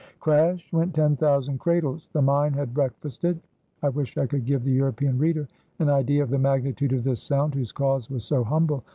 Crash! went ten thousand cradles; the mine had breakfasted. I wish I could give the European reader an idea of the magnitude of this sound whose cause was so humble.